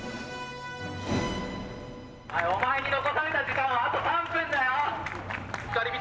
お前に残された時間はあと３分だよ。